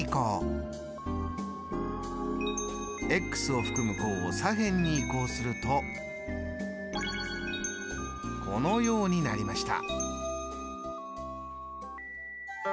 を含む項を左辺に移項するとこのようになりました。